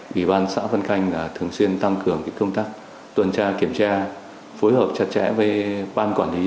ủy ban xã vân canh thường xuyên tăng cường công tác tuần tra kiểm tra phối hợp chặt chẽ với ban quản lý